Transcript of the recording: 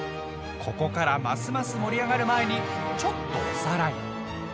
ここからますます盛り上がる前にちょっとおさらい。